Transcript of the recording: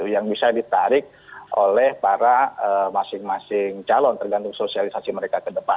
yang bisa ditarik oleh para masing masing calon tergantung sosialisasi mereka ke depan